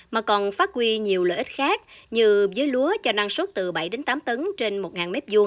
mà còn phát quy nhiều lợi ích khác như vứt lúa cho năng suất từ bảy tám tấn trên một m hai